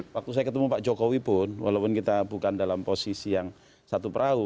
waktu saya ketemu pak jokowi pun walaupun kita bukan dalam posisi yang satu perahu